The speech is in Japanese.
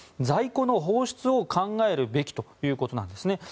在庫の放出を考えるべきということです。